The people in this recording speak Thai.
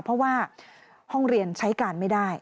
เพราะว่าห้องเรียนใช้การไม่ได้